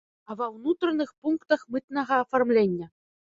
А ва ўнутраных пунктах мытнага афармлення!